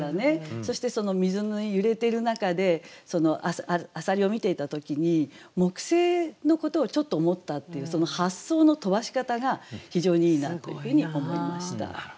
そしてその水のゆれてる中で浅蜊を見ていた時に木星のことをちょっと思ったっていうその発想の飛ばし方が非常にいいなというふうに思いました。